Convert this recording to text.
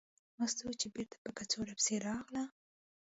مستو چې بېرته په کڅوړه پسې راغله.